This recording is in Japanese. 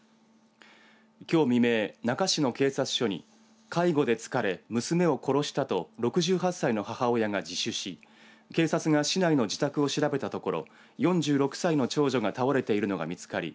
きょう未明、那珂市の警察署に介護で疲れ、娘を殺したと６８歳の母親が自首し警察が市内の自宅を調べたところ４６歳の長女が倒れているのが見つかり